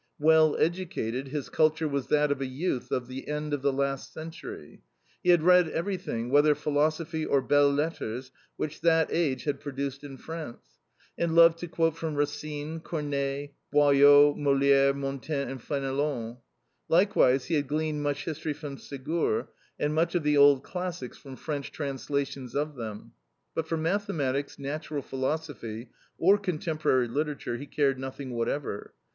Well educated, his culture was that of a youth of the end of the last century. He had read everything, whether philosophy or belles lettres, which that age had produced in France, and loved to quote from Racine, Corneille, Boileau, Moliere, Montaigne, and Fenelon. Likewise he had gleaned much history from Segur, and much of the old classics from French translations of them; but for mathematics, natural philosophy, or contemporary literature he cared nothing whatever.